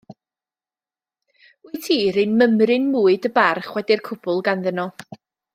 Wyt ti 'run mymryn mwy dy barch wedi'r cwbwl ganddyn nhw.